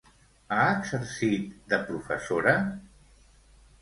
Ha exercit de professora?